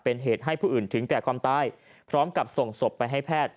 เป็นเหตุให้ผู้อื่นถึงแก่ความตายพร้อมกับส่งศพไปให้แพทย์